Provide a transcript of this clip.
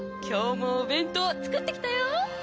今日もお弁当作ってきたよ！